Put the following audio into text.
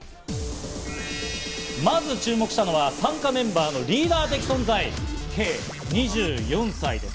まず注目したのは参加メンバーのリーダー的存在、Ｋ、２４歳。